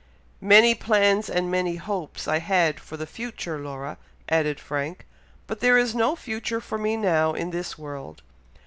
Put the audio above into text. "Many plans and many hopes I had for the future, Laura," added Frank; "but there is no future to me now in this world.